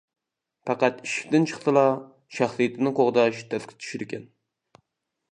پەقەت ئىشىكتىن چىقسىلا، شەخسىيىتىنى قوغداش تەسكە چۈشىدىكەن.